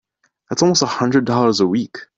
That's almost a hundred dollars a week!